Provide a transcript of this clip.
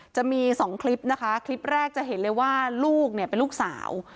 จะมีสองคลิปนะคะคลิปแรกจะเห็นเลยว่าลูกเนี่ยเป็นลูกสาว